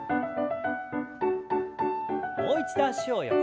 もう一度脚を横に。